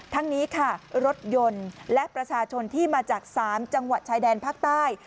ทั้งนี้ค่ะรถยนต์และประชาชนที่มาจาก๓จังหวัดชายแดนภาคใต้